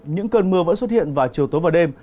những cơn mưa vẫn xuất hiện vào chiều tối và đêm